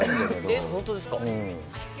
えっ、本当ですか？